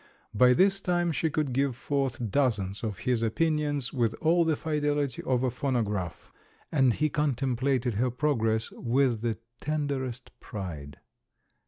By this time she could give forth dozens of his opinions with all the fidelity of a phonograph, and he contemplated her progress with the tenderest pride.